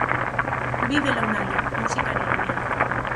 Bi belaunaldi, musikariak biak.